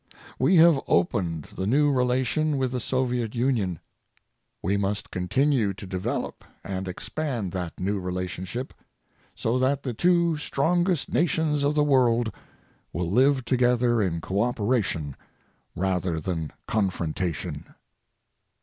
We have opened the new relation with the Soviet Union. We must continue to develop and expand that new relationship so that the two strongest nations of the world will live together in cooperation rather than confrontation.